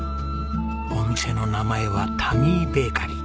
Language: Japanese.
お店の名前はタミーベーカリー。